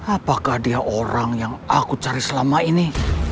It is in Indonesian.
apakah dia orang yang aku cari selama ini